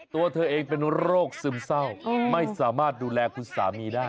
ตัวเธอเองเป็นโรคซึมเศร้าไม่สามารถดูแลคุณสามีได้